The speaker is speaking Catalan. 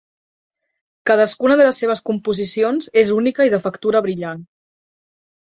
Cadascuna de les seves composicions és única, i de factura brillant.